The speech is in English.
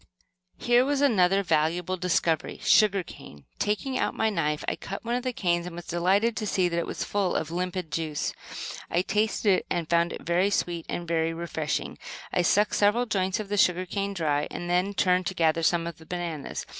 Here was another valuable discovery sugar cane! Taking out my knife I cut one of the canes, and was delighted to see that it was full of limpid juice. I tasted it and found it very sweet and very refreshing. I sucked several joints of the sugar cane dry, and then turned to gather some of the bananas.